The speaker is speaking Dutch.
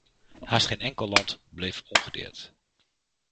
Haast geen enkel land bleef ongedeerd.